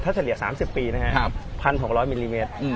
ถ้าเฉลี่ยสามสิบปีนะฮะครับพันหกร้อยมิลลิเมตรอืม